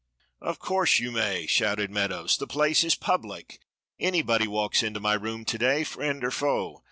"Of course you may," shouted Meadows; "the place is public. Anybody walks into my room to day, friend or foe.